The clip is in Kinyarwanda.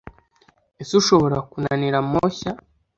ese ushobora kunanira amoshya